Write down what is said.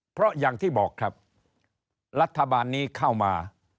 เพราะอย่างที่บอกครับรัฐบาลนี้เข้ามา